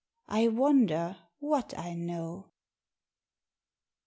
I wonder what I know.